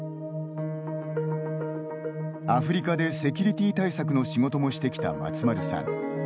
アフリカでセキュリティー対策の仕事もしてきた松丸さん。